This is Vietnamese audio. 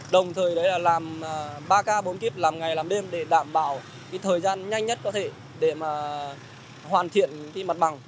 đồng thời là làm ba k bốn k làm ngày làm đêm để đảm bảo thời gian nhanh nhất có thể để hoàn thiện mặt bằng